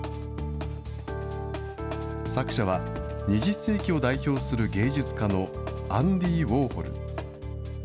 作者は２０世紀を代表する芸術家のアンディ・ウォーホル。